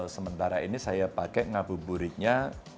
sementara ini saya pakai ngabuburitnya